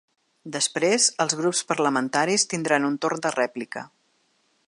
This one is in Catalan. Després, els grups parlamentaris tindran un torn de rèplica.